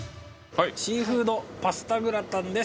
シーフードパスタグラタンです。